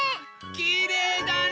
きれいだね！